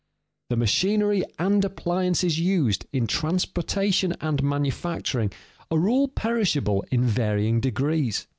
_The machinery and appliances used in transportation and manufacturing are all perishable in varying degrees.